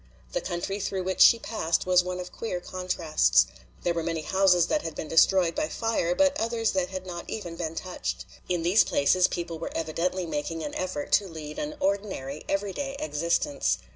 The country through which she passed was one of queer contrasts. There were many houses that had been destroyed by fire, but others that had not even been touched. In these places people were evidently making an effort to lead an ordinary, everyday existence.